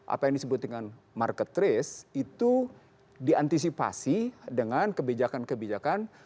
apa yang disebut dengan market trace itu diantisipasi dengan kebijakan kebijakan